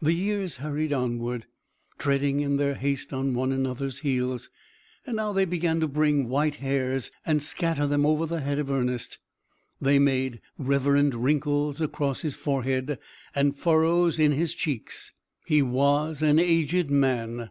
The years hurried onward, treading in their haste on one another's heels. And now they began to bring white hairs, and scatter them over the head of Ernest; they made reverend wrinkles across his forehead, and furrows in his cheeks. He was an aged man.